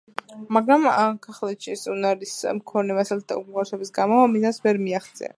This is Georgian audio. მაგრამ, გახლეჩის უნარის მქონე მასალის უკმარისობის გამო მიზანს ვერ მიეღწია.